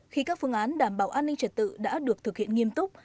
khi các phương án đảm bảo an ninh trật tự đã được thực hiện nghiêm túc